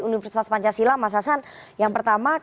universitas pancasila mas hasan yang pertama